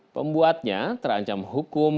pembuatnya terancam hukum